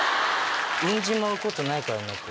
産んじまうことないから猫。